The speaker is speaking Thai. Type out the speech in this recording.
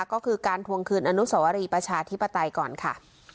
ก็คือการทวงคืนอนุสวรีประชาธิปไตยก่อนค่ะ